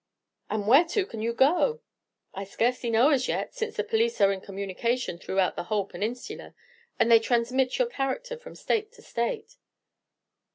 "And whereto can you go?" "I scarcely know as yet, since the police are in communication throughout the whole Peninsula, and they transmit your character from state to state."